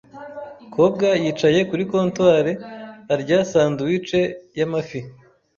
Kobwa yicaye kuri comptoire arya sandwich y'amafi.